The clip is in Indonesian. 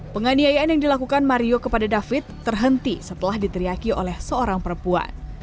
penganiayaan yang dilakukan mario kepada david terhenti setelah diteriaki oleh seorang perempuan